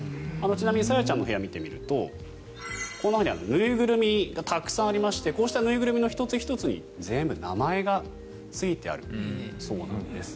ちなみにＳａｙａちゃんの部屋を見ているとこのように縫いぐるみがたくさんありましてこの縫いぐるみの１つ１つに全部、名前がついてあるそうなんです。